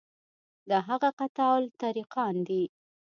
دا هغه قطاع الطریقان دي.